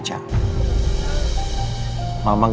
mama gak sengaja menemukan surat itu